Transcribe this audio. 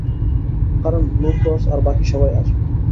কারণ Blue Cross আর বাকি সবাই আসবে।